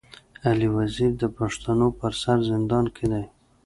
علي وزير د پښتنو پر سر زندان کي دی.